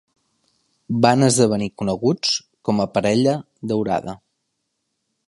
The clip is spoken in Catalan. Van esdevenir coneguts com a "Parella daurada".